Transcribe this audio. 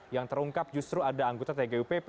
yang terungkap justru ada anggota tgupp